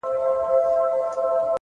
ذهن د تجربې له لارې وده کوي.!